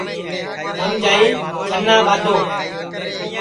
تھم جائی چھنا ٻادھو